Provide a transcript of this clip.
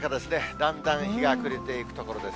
だんだん日が暮れていくところです。